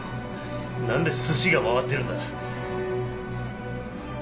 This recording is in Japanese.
何でスシが回ってるんだ！？